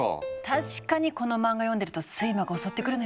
確かにこの漫画読んでると睡魔が襲ってくるのよね。